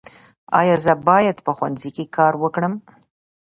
ایا زه باید په ښوونځي کې کار وکړم؟